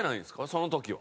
その時は。